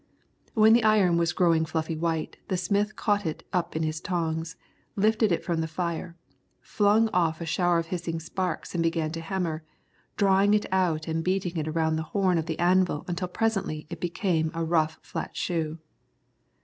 When the iron was growing fluffy white, the smith caught it up in his tongs, lifted it from the fire, flung off a shower of hissing sparks and began to hammer, drawing it out and beating it around the horn of the anvil until presently it became a rough flat shoe.